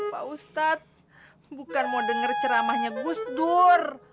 pak ustadz bukan mau dengar ceramahnya gus dur